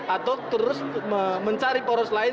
atau terus mencari poros lain